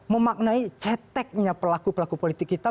memaknai ceteknya pelaku pelaku politik kita